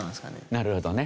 なるほどね。